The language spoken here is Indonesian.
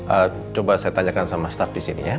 eee coba saya tanyakan sama staff disini ya